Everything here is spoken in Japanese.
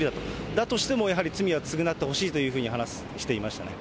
だとしても、やはり罪は償ってほしいというふうに話していましたね。